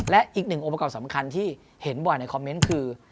และอีกหนึ่งองค์ประกอบสำคัญที่เห็นบ่อยในคอมเมนต์คือ